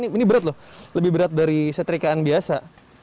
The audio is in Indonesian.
ini berat loh lebih berat dari setrikaan biasa